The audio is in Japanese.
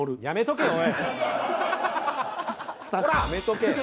やめとけ！